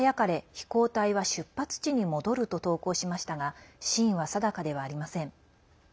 飛行体は出発地に戻ると投稿しましたが真意は定かではありません。